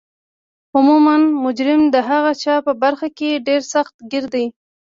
عموما مجرم د هغه چا په برخه کې ډیر سخت ګیره دی